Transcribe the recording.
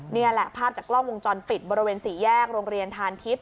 นี่แหละภาพจากกล้องวงจรปิดบริเวณสี่แยกโรงเรียนทานทิพย